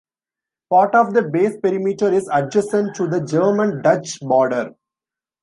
Part of the base perimeter is adjacent to the German-Dutch border.